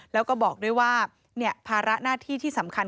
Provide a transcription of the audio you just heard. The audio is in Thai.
แล้วก็บอกด้วยว่าภาระหน้าที่ที่สำคัญ